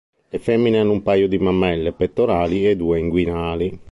Le femmine hanno un paio di mammelle pettorali e due inguinali.